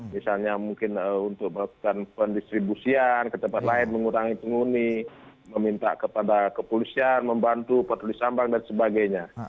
misalnya mungkin untuk melakukan pendistribusian ke tempat lain mengurangi penghuni meminta kepada kepolisian membantu petulis abang dan sebagainya